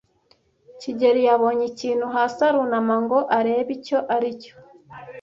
kigeli yabonye ikintu hasi arunama ngo arebe icyo aricyo.